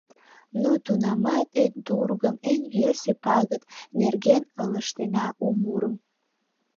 Но тунамат эн тургым, Эн йӧсӧ пагыт нерген Ылыжтена у мурым.